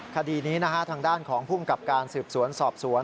คดีนี้นะฮะทางด้านของภูมิกับการสืบสวนสอบสวน